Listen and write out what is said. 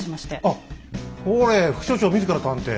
あっほれ副所長自ら探偵？